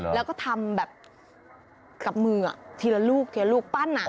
แล้วก็ทำแบบกับมือทีละลูกปั้น